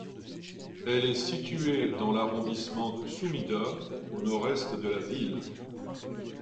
Elle est située dans l'arrondissement de Sumida, au nord-est de la ville.